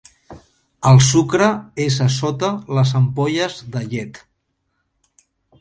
El sucre és a sota les ampolles de llet.